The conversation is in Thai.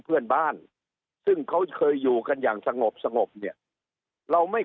เพื่อนบ้านซึ่งเขาเคยอยู่กันอย่างสงบสงบเนี่ยเราไม่